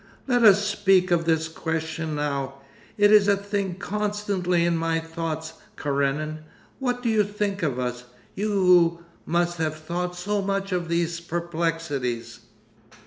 Let us speak of this question now. It is a thing constantly in my thoughts, Karenin. What do you think of us? You who must have thought so much of these perplexities.